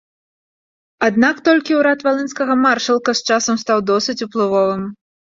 Аднак толькі ўрад валынскага маршалка з часам стаў досыць уплывовым.